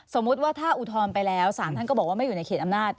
สมมุติว่าถ้าอุทธรณ์ไปแล้วสารท่านก็บอกว่าไม่อยู่ในเขตอำนาจ